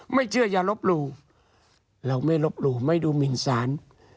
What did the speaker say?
ไม่เชื่ออย่าลบหลู่เราไม่ลบหลู่ไม่ดูหมินสาร